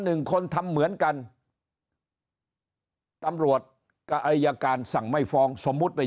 หนึ่งคนทำเหมือนกันตำรวจกับอายการสั่งไม่ฟ้องสมมุติไป